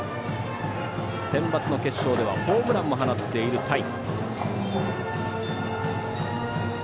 センバツの決勝ではホームランも放っている田井。